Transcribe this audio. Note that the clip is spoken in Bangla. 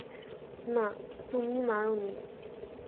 না, তুমি মারোনি।